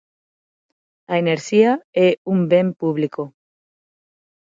A enerxía é un ben público.